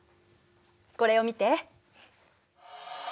これを見て。